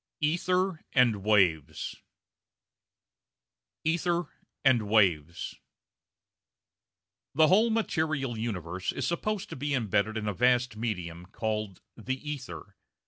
ETHER AND WAVES Ether and Waves The whole material universe is supposed to be embedded in a vast medium called the ether.